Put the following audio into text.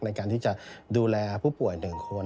ในการที่จะดูแลผู้ป่วย๑คน